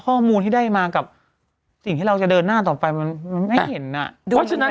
ข้อมูลที่ได้มากับสิ่งที่เราจะเดินหน้าต่อไปมันไม่เห็น